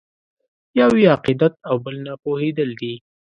یو یې عقیدت او بل نه پوهېدل دي.